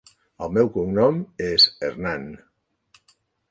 El meu cognom és Hernán.